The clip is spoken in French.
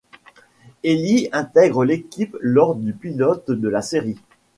Ellie intègre l'équipe lors du pilote de la série.